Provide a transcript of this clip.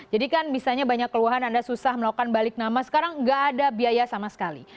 jadi kan misalnya banyak keluhan anda susah melakukan balik nama sekarang nggak ada biaya sama sekali